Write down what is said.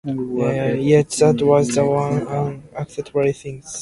Yet that was the one unacceptable thing.